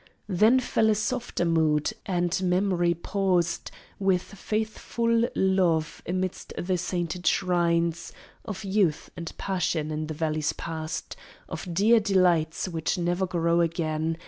Then fell a softer mood, and memory paused With faithful love, amidst the sainted shrines Of youth and passion in the valleys past Of dear delights which never grow again.